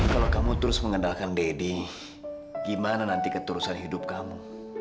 kalau kamu terus mengendalkan daddy gimana nanti keturusan hidup kamu